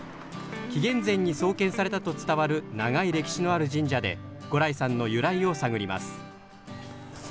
紀元前に創建されたと伝わる長い歴史のある神社で五耒さんの由来を探ります。